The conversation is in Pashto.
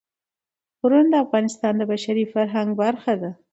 غرونه د افغانستان د بشري فرهنګ برخه ده.